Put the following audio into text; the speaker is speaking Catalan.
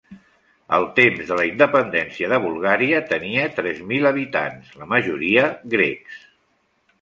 Al temps de la independència de Bulgària tenia tres mil habitants, la majoria grecs.